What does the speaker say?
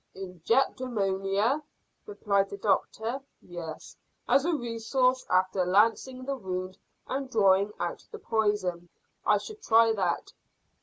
"Inject ammonia?" replied the doctor. "Yes; as a resource after lancing the wound and drawing out the poison, I should try that."